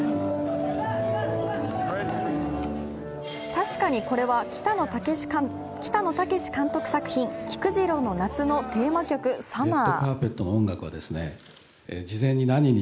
確かにこれは北野武監督作品「菊次郎の夏」のテーマ曲「Ｓｕｍｍｅｒ」。